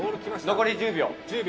残り１０秒？